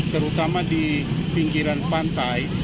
terutama di pinggiran pantai